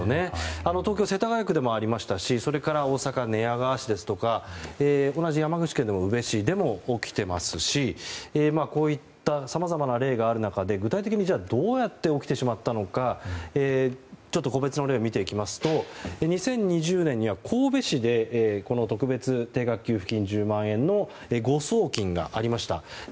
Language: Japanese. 東京・世田谷区でもありましたしそれから大阪・寝屋川市ですとか同じ山口県の宇部市でも起きていますしこういったさまざまな例がある中で具体的にどうやって起きてしまったのか個別の例を見ていきますと２０２０年には神戸市で特別定額給付金１０万円の誤送金がありました。